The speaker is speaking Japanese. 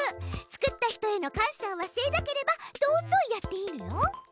作った人への感謝を忘れなければどんどんやっていいのよ。